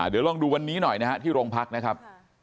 เดี๋ยวลองดูวันนี้หน่อยนะฮะที่โรงพักนะครับ